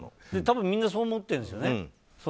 多分、みんなそう思ってるんですよね。